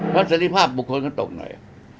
เพราะเสร็จภาพบุคคลก็ตกหน่อย